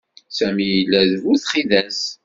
Sami yella d bu txidas.